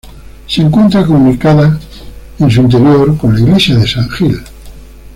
Se encuentra comunicada en su interior con la iglesia de San Gil.